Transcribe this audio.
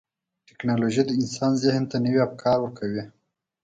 ټکنالوجي د انسان ذهن ته نوي افکار ورکوي.